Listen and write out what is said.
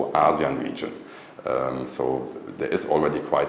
đã có rất nhiều kết thúc